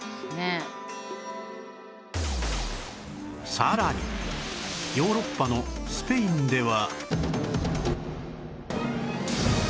さらにヨーロッパのスペインでは